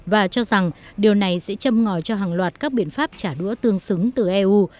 và cho rằng điều này sẽ châm ngòi cho hàng loạt các biện pháp trả đũa tương xứng từ eu